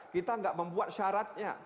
kita tidak membuat syaratnya